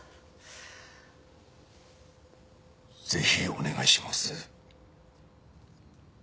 ぜひお願いします。